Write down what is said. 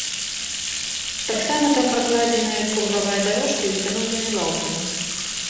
Таксама там пракладзеная кругавая дарожка і ўстаноўлены лаўкі.